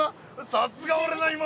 さすが俺の妹！